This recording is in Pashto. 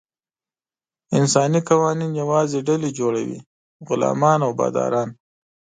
انساني قوانین یوازې ډلې جوړوي: غلامان او باداران.